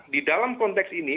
di dalam konteks ini